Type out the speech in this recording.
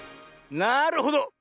なるほど。